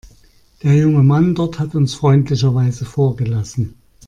Der junge Mann dort hat uns freundlicherweise vorgelassen.